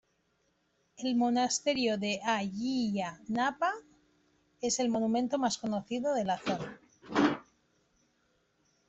El Monasterio de Ayia Napa es el monumento más conocido de la zona.